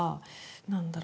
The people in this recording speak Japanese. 何だろう